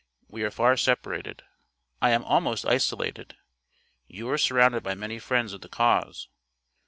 We are far separated. I am almost isolated. You are surrounded by many friends of the cause.